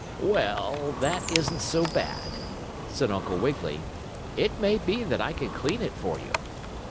"Well, that isn't so bad," said Uncle Wiggily. "It may be that I can clean it for you."